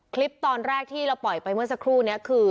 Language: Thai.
คลิปตอนแรกที่เราปล่อยไปเมื่อสักครู่นี้คือ